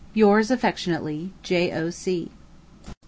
Yours affectionately, J.O.C.